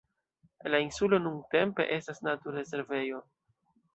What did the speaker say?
La insulo nuntempe estas naturrezervejo.